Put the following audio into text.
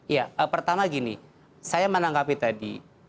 ya pertama gini saya menanggapi tadi